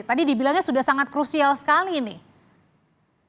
tadi dibilangnya sudah sangat krusial sekali nih